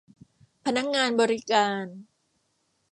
พนักงานบริการ